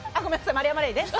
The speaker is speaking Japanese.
丸山礼です。